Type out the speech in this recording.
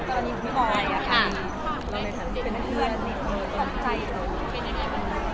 ะเงียนพี่บอลลายค่ะ